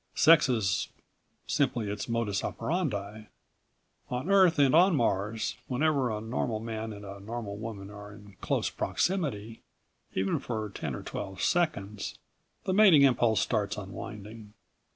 Sex is simply its modus operandi. On Earth and on Mars, whenever a normal man and a normal woman are in close proximity, even for ten or twelve seconds, the mating impulse starts unwinding.